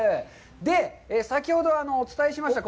で、先ほどお伝えしました